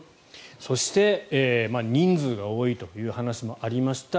そして、人数が多いという話もありました。